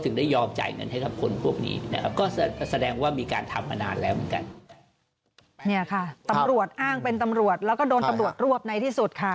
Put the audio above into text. ตำรวจนะคะล่าถนมรวมเป็นตำรวจแล้วก็โดนวันรอบในที่สุด